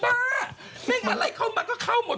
ไอ้มันไล่เข้ามาก็เข้าหมด